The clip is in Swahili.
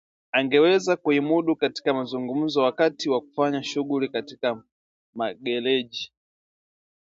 angeweza kuimudu katika mazungumzo wakati wa kufanya shughuli katika magereji